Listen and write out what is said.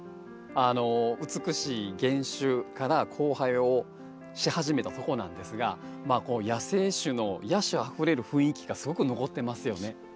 あの美しい原種から交配をし始めたとこなんですがまあこう野生種の野趣あふれる雰囲気がすごく残ってますよね。